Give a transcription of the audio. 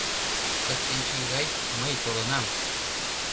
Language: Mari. — Кыстинчи изай, мый толынам.